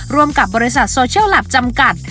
ร่วมกับบริษัทโซเชียลแลปจำกัด